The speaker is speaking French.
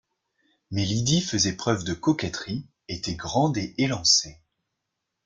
Mais Lydie faisait preuve de coquetterie, était grande et élancée